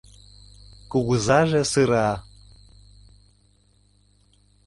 — Кугызаже сыра.